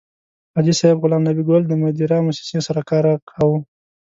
حاجي صیب غلام نبي ګل د مدیرا موسسې سره کار کاوه.